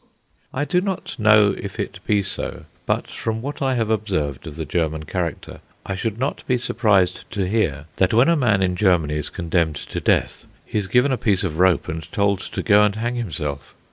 I do not know if it be so, but from what I have observed of the German character I should not be surprised to hear that when a man in Germany is condemned to death he is given a piece of rope, and told to go and hang himself.